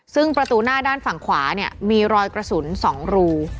ซึ่งประตูหน้าด้านฝั่งขวาเนี่ยมีรอยกระสุน๒รู